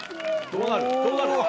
どうなる？